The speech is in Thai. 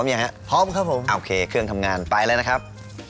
พร้อมอย่างนั้นครับพร้อมครับผมโอเคเครื่องทำงานไปแล้วนะครับ